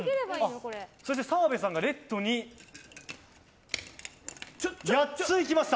そして、澤部さんがレッドに８ついきました。